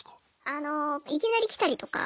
あのいきなり来たりとか。